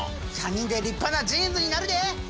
３人で立派なジーンズになるで！